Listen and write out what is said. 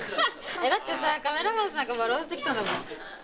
だってさ、カメラマンさんが笑わせてきたんだもん。